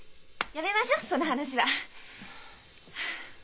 やめましょうその話は。